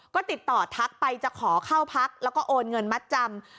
ก็ติดต่อทักไปจะขอเข้าพักแล้วก็โอนเงินมัดจำ